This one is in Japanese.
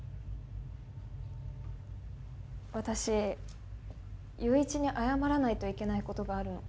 私友一に謝らないといけない事があるの。